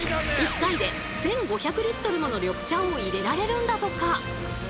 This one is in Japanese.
１回で１，５００もの緑茶をいれられるんだとか。